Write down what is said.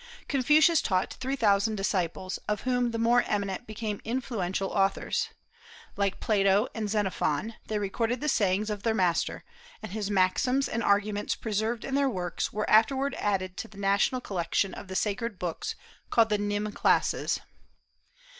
"Confucius taught three thousand disciples, of whom the more eminent became influential authors. Like Plato and Xenophon, they recorded the sayings of their master, and his maxims and arguments preserved in their works were afterward added to the national collection of the sacred books called the 'Nim Classes.'"